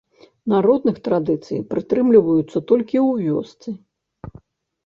Народных традыцый прытрымліваюцца толькі ў вёсцы.